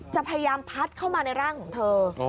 จะพยายามพัดเข้ามาในร่างของเธอ